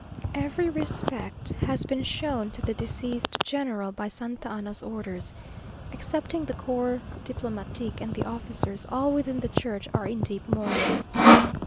Every respect has been shown to the deceased general, by Santa Anna's orders. Excepting the corps diplomatique and the officers, all within the church were in deep mourning....